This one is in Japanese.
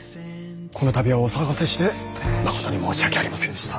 この度はお騒がせしてまことに申し訳ありませんでした。